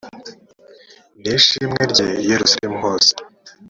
ni ishimwe rye i yerusalemu hose